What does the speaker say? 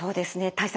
対策